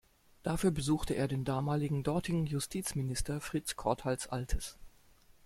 Dafür besuchte er den damaligen dortigen Justizminister Frits Korthals Altes.